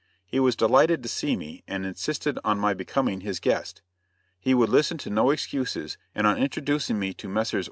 He was delighted to see me, and insisted on my becoming his guest. He would listen to no excuses, and on introducing me to Messrs.